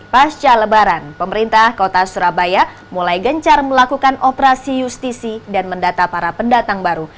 pasca lebaran pemerintah kota surabaya mulai gencar melakukan operasi justisi dan mendata para pendatang baru